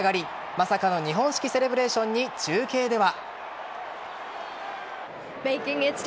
まさかの日本式セレブレーションに中継では。